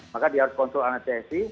maka dia harus konsul anestesi